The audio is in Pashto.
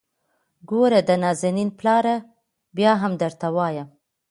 ګوره د نازنين پلاره ! بيا هم درته وايم.